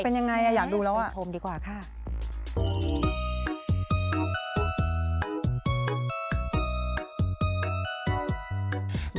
เป็นยังไงอยากดูแล้วอ่ะคุณพิธีกรด้วยค่ะเดี๋ยวผมดีกว่าค่ะ